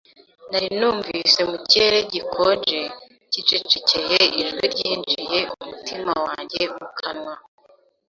Nari numvise mu kirere gikonje cyicecekeye ijwi ryinjije umutima wanjye mu kanwa -